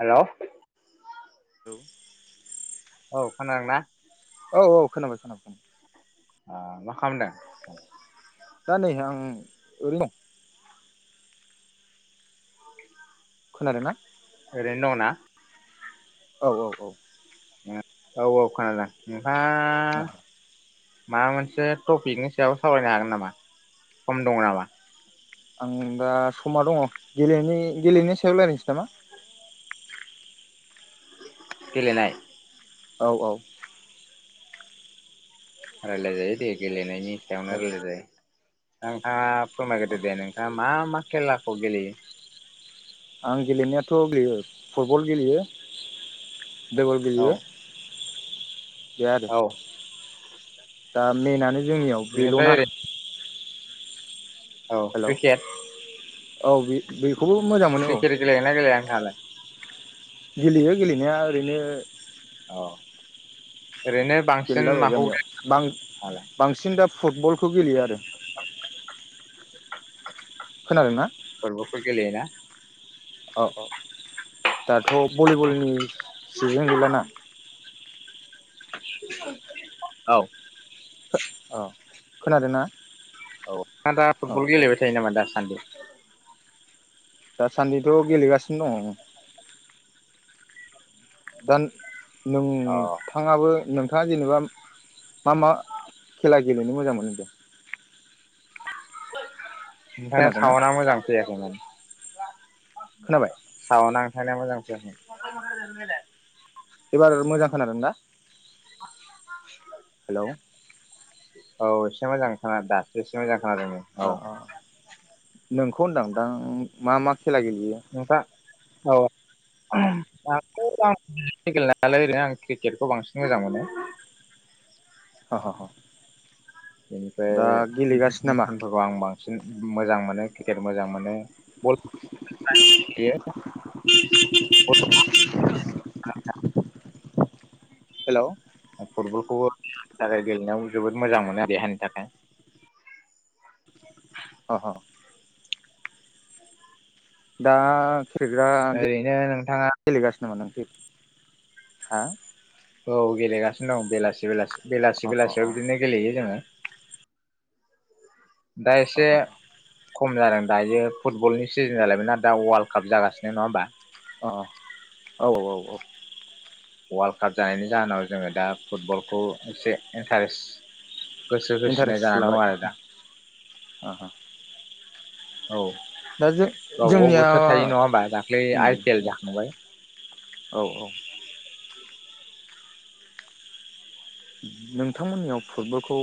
Hello. Hello खोनादों ना औ औ खोनाबाय खोनाबाय। ओ मा खालामदों। दा नै आं ओरैनो दं। अ। खोनादों ना? ओरैनो दं ना? औ औ औ। औ-औ खोनादों। नोंथाङा औ। माबा मोनसे टपिकनि सायाव सावरायनो हागोन नामा सम दङ नामा। आं दा समा दङ गेलेनायनि सायाव रायज्लायनोसै नामा? गेलेनाय। औ-औ। रायलाय जायो दे गेले। नायनि सायावनो जागोन रायलाय जायो। नोंथाङा औ फोरमायग्रदो दे नोंथाङा मा-मा? खेलाखौ गेलेयो। आं गेलेनायाथ' गेलेयो फुटबल गेलेयो। दैगल गेलेयो। औ औ [unintelligible] दा मेनानो। जोंनियाव बेनिफ्राय बेल'ना। ओरै औ हेल' क्रिकेट औ बे-बे। सोखोरो गलेयोना गेलेया नोंहालाय? गेलेयो गेलेनाया ओरैनो अह। गेलेला बायो गामियाव बां नोंथाङालाय बांसिन दा। फुटबलखौ गेलेयो आरो। [unintelligible] खोनादोंना? फुटबलफोर गेलेयोना। औ औ। दाथ' भलिबलनि। सिजेन गैलाना। औ। औ खोनादों ना? औ दा फुटबल गेलेबाय थायो नामा दासान्दि दासान्दिथ' गेलेगासिनो दङ। दन अ नोंथाङाबो नोंथाङा जेनेबा मा मा खेला गेलेनो मोजां मोनो दे ओमफ्राय खोनादोंना साउन्दआ मोजां फैयाखै माने खोनाबाय साउतआ साउथआ मोजां फैयाखै। एबार मोजां खोनादों दा हेल' औ एसे मोजांखाना दासो एसे मोजां खोनादोंदे औ खौ होनदांदां मा मा खेला गेलेयो नोंथाङा औ दाथ आं गेलेनायालाय ओरैनो आं क्रिकेटखौ बांसिन मोजां मोनो। औ बेनिफ्रायसफोरखौ आं बांसिन मोजां मोनो क्रिकेट मोजां मोनो बल बेयो [unintelligible] हेल' फुटबलखौबो थाखाय गेलेनायाव जोबोद मोजां मोनो देहानि थाखाय अ ह दा खेलेग्रा ओरैनो नोंथाङा गेलेगासिनो नों हा औ गेलेगासिनो दं बेलासि बे अ बेलासि अ अ बेलासियाव बिदिनो गेलेयो जोङो। दा अ एसे खम जादों दायो फुटबलनि सिजोन जालायमोन दा अवालकप जागासिनो नङा होनोमबा अ औ औ औ औ अवालकाप जानायनि जाहोनाव जोङो दा फुटबलखौ एसे इन्टारेस्ट गोसो होसिनाय इन्टारेस्ट जानानै लाबाय दं आरो दा औ दा जों गावबागाव जोंनिया बोथोर थायो नङा होनबा दाखलै उम आइ पि एल जाखांबाय औ औ नोंथांमोननियाव फुटबलखौ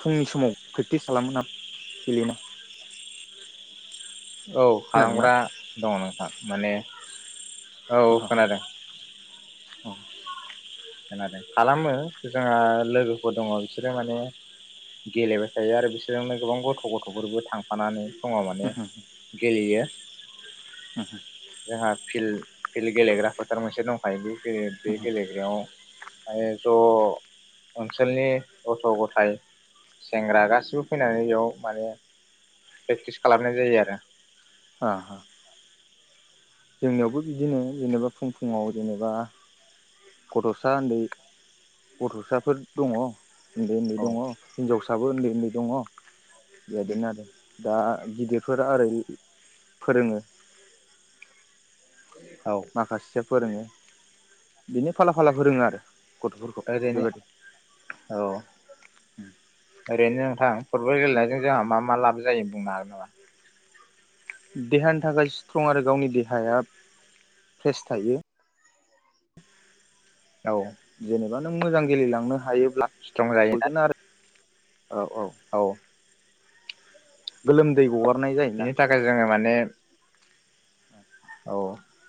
फुंनि समाव प्रेक्टिस खालामोन आं गेलेना औ खालामग्रा दङ नोंथां माने औ खोनादों खोनादों खालामो जोंहा लोगोफोर दङ बिसोरो माने गेलेबाय थायो आरो बिसोरजोंनो गोबां गथ' गथ'फोरबो थांफानानै समाव माने गेलेयो जोंहा [inaudible] फिल्ड फिल्ड गेलेग्रा फोथार मोनसे दंखायो बे गे बे गेलेग्रायाव माने ज' ओनसोलनि गथ' गथाय सेंग्रा गासिबो फैनानै बेयाव माने प्रेक्टिस खालामनाय जायो आरो ह जोंनियावबो बिदिनो जेनेबा फुं फुङाव जेनेबा गथ'सा उन्दै गथ'साफोर दङ उन्दै उन्दै औ दङ हिनजावफ्राबो उन्दै उन्दै दङ बेबायदिनो आरो दा गिदिर बेफोर आरो फोरोङो औ माखासेसो फोरोङो बिनि फाला फाला फोरोङो आरो गथ'फोरखौ ओरैनो बेबायदि औ ओरैनो नोंथां फुटबल गेलेनायजों जोंहा मा मा लाब जायो बुंनो हागोन नामा देहानि थाखाय स्ट्रं आरो गावनि देहाया फ्रेस थायो औ बा नों मोजां गेलेलांनो हायो स्ट्रं जायोना [unintelligible] औ औ गोलोमदै गवा बिनि थाखाय जोङो माने औ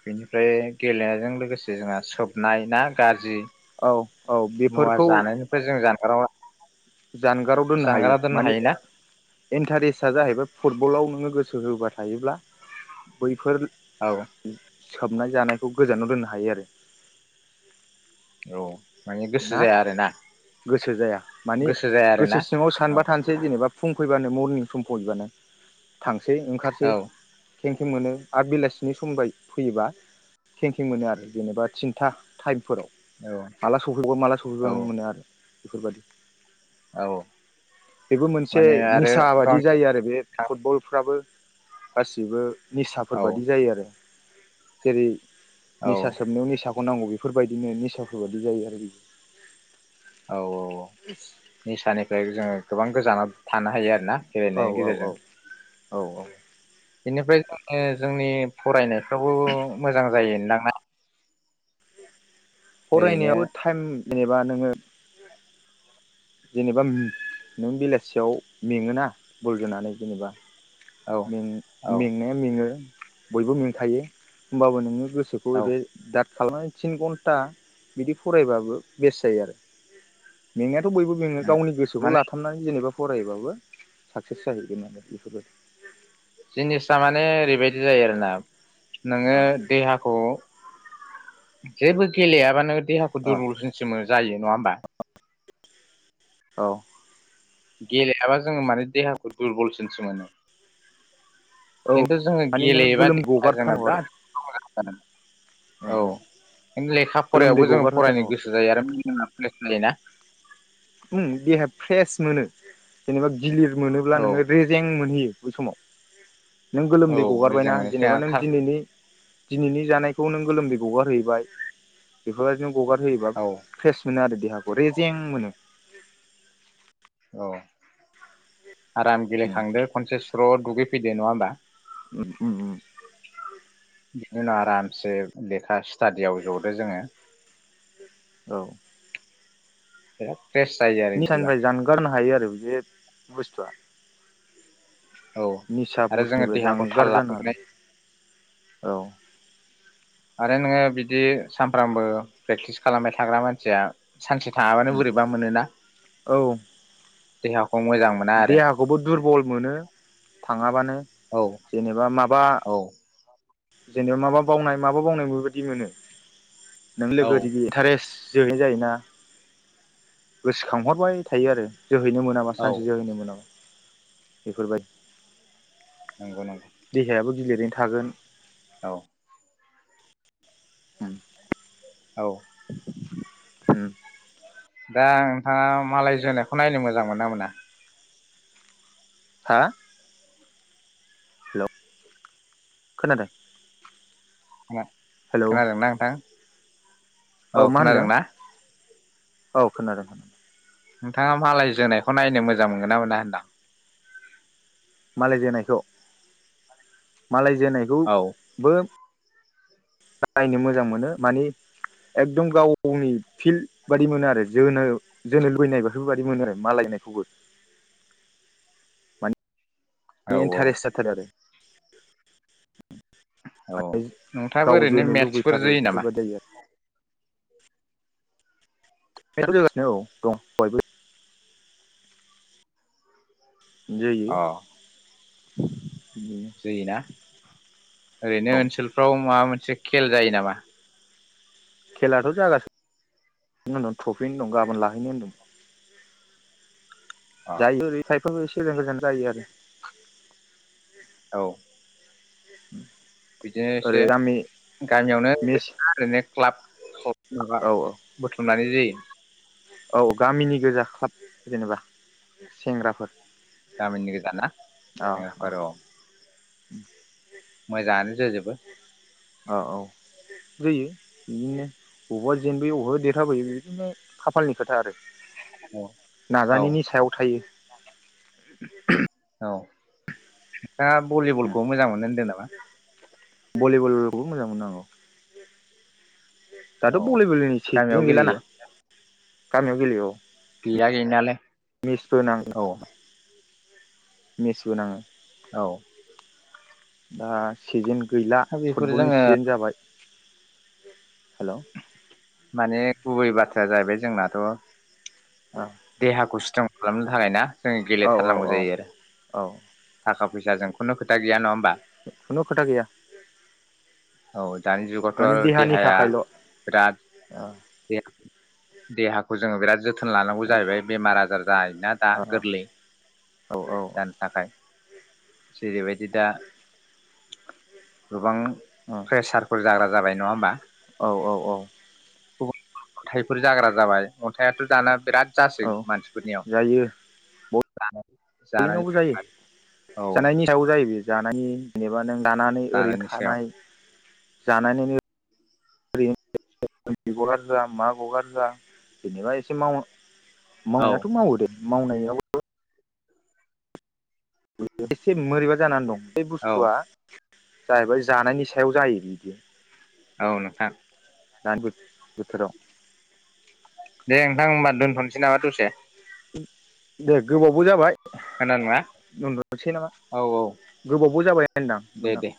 बेनिफ्राय गेलेनायजों लोगोसे जोंहा सोबनाय ना गाज्रि औ औ मुवा बेफोरखौ जानायनिफ्राय जों जानगाराव जानगाराव दोननो हायो जानगाराव दोननो माने हायोना इन्टारेस्टआ जाहैबाय फुटबलाव नोङो गोसो सो होबा थायोब्ला बैफोर औ सोबना जानायखौ गोजानाव दोननो हायो आरो औ माने गोसो ना जाया आरोना गोसो जाया माने गोसो जाया आरोना गोसो सिङाव औ सानबा थानोसै जेनेबा फुं फै [unintelligible] सै ओंखारसै औ थेंक मोनो आरो बेलासिनि समबायदि फैयोबा कें कें मोनो आरो जेनेबा थिनथा टाइम फोराव औ माला स बे माला सफैबागो औ मोनो आरो बिफोरबायदि औ बेबो मोनसे माने आरो निसा बायदि गावनि जायो आरो बे औ फुटबलफ्राबो गासिबो निसाफोर औ बादि जायो आरो जेरै औ निसा सोबनायाव निसाखौ खौ नांगौ बेफोरबायदिनो निसाफोर बादि जायो आरो [inaudible] औ औ निसानिफ्राय जोङो गोबां गोजानाव थानो हायो आरो ना औ गेलेनायनि औ गेजेर औ जों औ अ बेनिफ्राय जोङो जोंनि फरायनायफ्राबो मोजां जायो दां ना? फरायनायाबो टाइम जेनेबा नोंङो जेनेबा उम नों बेलासियाव मेङोना बल जोनानै जेनेबा औ औ में-मेंनाय मोनो बयबो मेंखायो होमबाबो नोंङो गोसोखौ औ जे दाद खालामनानै थिन घन्टा बिदि फरायबाबो बेस्ट जायो आरो मेंनायाथ बयबो जोंगो उम गावनि गोसोखौ माने लाथाबनानै जेनेबा फरायबाबो साक्सेस जाहैगोन आरो बेफोरबायदि जिनिसा माने ओरैबायदि जायो आरोना नोंङो अ देहाखौ जेबो गेलेयाबानो देहाखौ अ दुरबलसिमसो जायो नङा होमबा औ गेलेयाबा जोंङो माने देहाखौ दुरबलसिनसो मोनो औ खिन्थु जोंङो माने नों गेलेयोबा गोलोम देहाया जोंना गगारथारनांगौ बिराद मोजां आरो जायो औ खिन्थु लेखा गोलोमदै फरानायाबो जों फरायनो गगारहोथारनांगौ गोसो जायो आरो जोंना ब्लेम जायोना उम देहाया फ्रेस मोनो जेनेबा गिलिर मोनोब्ला औ नों रेजें मोनहैयो बै समाव नों गोलोमदै औ रेजें गगारबायना मोनसे जेनेबा नों औ दिनैनि दिनैनि जानायखौ नों गोलोमदै गगारहैबाय बेफोरबायदि नो हगार होयोबा फ्रेस मोनो आरो दे देहाखौ रेजें मोनो औ आराम गेले उम खांदों खनसे स्र' दुगै फैदो नङा होमबा उम उम बिनि उनाव आरामसे लेखा स्टाडियाव जदो जोङो औ [inaudible] आरो बिदिबा निसानिफ्राय जानगारनो हायो आरो बे बुस्थ'आ औ निसा आरो जोङो बुस्थुनिफ्राय देहाखौ थाल जानगार जानो आरो लाफिननाय औ आरो नोङो बिदि सानफ्रामबो प्रेक्टिस खालामबाय थाग्रा मानसिया सानसे थाङाबानो बोरैबा मोनोना औ देहा देहाखौबो दुरबल मोनो थाङाबानो औ जेनेबा माबा औ जेनेबा माबा बावनाय माबा बावनाय बेबायदि मोनो नों औ लोगो दिगि इन्टारेस जोहैनाय जायोना गोसोखांहरबाय थायो आरो जोहैनो मोनामा औ सानसे जोहैनो मोनाबा बेफोरबा नंगौ नंगौ देहायाबो गिलिरैनो थागोन औ उम औ उम दा नोंथाङा मालाय जोनायखौ नायनो मोजां मोनोना मोना हा हेलौ खोनादों उम हेलौ खोनादों ना नोंथां? औ मा होनदों खोनादों ना? औ खोनादों। नोंथाङा मालाय जोनायखौ नायनो मोजां मोनगोन ना मोना होनदां? मालायजोनायखौ? मालाय जोनायखौ औ बो नायनो मोजां मोनो मानि एकदम गावनि फिल्ड बादि मोनो आरो जोनो जोनो लुबैनाय बेफोरबायादि मोनो आरो मालायनायखौबो। औ इन्टारेस्ट जाथारो आरो। [inaudible] औ नोंथाङाबो गाव ओरैनो जोनो मेटसफोर लुबैथारो जोयो नामा? बेफोरबायदि जायो [unintelligible] जोयो। अ [inaudible] जोयोना ओरैनो औ ओनसोलफ्राव माबा मोनसे खेल जायो नामा? खेलाथ' जागासि नो होनदों ट्रफिनो दं गाबोन लाहैनो होनदों। अ जायो [unintelligible] एसे गोजान गोजान जायो आरो। औ। [unintelligible] बिदिनो ओरै एसे गामि गामियावनो मिस ओरैनो आरो नेद क्लाब माबा औ बुथुमनानै जायो। [unintelligible] औ गामिनि गोजा क्लाब जेनेबा सेंग्राफोर गामिनि गोजाना सेंग्राफोर अ। उम। मोजांङानो जोजोब बो अ औ जायो बिदिनो बबावबा जेनबोयो बबावबा देरहाबोयो बिदिनो खाफालनि खोथा आरो। औ औ नाजानिनि सायाव थायो। [inaudible] औ। दा भलिबलखौ मोजां मोननो होनदों नामा? भलिबलखौबो मोजां मोनो आं औ। दाथ' औ बलि बलिनि गामियाव सिजेन गैलाना। गेलेयो गामियाव गेलेयो औ। गैया गैनालाय मेचबो औ। मेसबो नांङो। औ। दा सिजोन। गैला दा बेफोर फुटबलनि जोङो सिजोन जाबाय। हेलौ। माने गुबै बाथ्राया जाहैबाय जोंनाथ'। देहाखौ स्थ्रं खालामनो थाखाय ना। जों औ औ गेलेथारनांगौ औ जायो आरो औ थाखा फैसाजों खुनु खोथा गैया नङा होनबा? खुनु खोथा गैया। औ। दानि जुगावथ' माने आरो देहानि देहाया थाखायल' ओ बिराद देहाखौ जोङो बिराद जोथोन लानो। जाहैबाय बेमार आजार जायोना दा गोरलै ओ औ जानो थाखाय। जेरैबायदि दा गोबां। प्रेसारफोर जाग्रा जाबाय नङा होमबा। औ औ औ। गुबुन अन्थाइफोर जाग्रा जाबाय अन्थाइथ' दाना बिराद। जासैग औ मानसिफोरनियाव। [inaudible] जायो बयनावबो जायो औ जानायनि सायावबो जायो बे जानायनि। जेनेबा नों। जानानै ओरैनो जानायनि सायाव थानाय। जानानैनो। [unintelligible] जा मा गगार जा जेनेबा एसे मावो औ मावनायाथ' मावो दे मावनायाव। एसे मोरैबा जानानै दं। बे औ बुस्थुआ। जाहैबाय जानायनि सायाव जायो बिदि। औ नोंथां। [unintelligible] दे नोंथां होनबा दोनथ'नोसै नामा दसे। दे गोबावबो जाबाय। [unintelligible] खोनादोंना नामा औ औ गोबावबो जाबाय होनदां दे नोंथां दे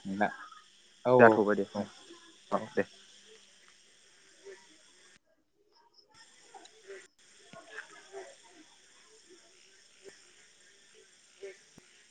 औ औ जाथ'बाय दे औ [unintelligible] औ दे। दे।